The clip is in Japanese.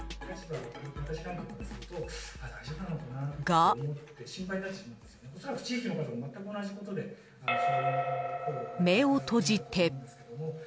が、目を閉じて。